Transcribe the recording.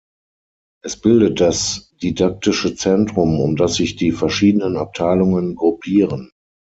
Es bildet das didaktische Zentrum, um das sich die verschiedenen Abteilungen gruppieren.